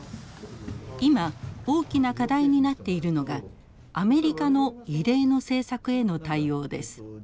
今大きな課題になっているのがアメリカの異例の政策への対応です。